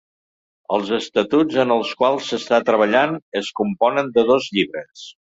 Els estatuts en els quals s’està treballant es componen de dos llibres.